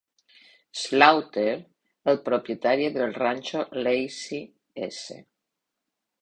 Slaughter, el propietari del ranxo Lazy S.